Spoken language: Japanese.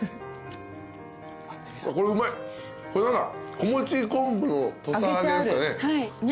子持ち昆布の土佐揚げですかね？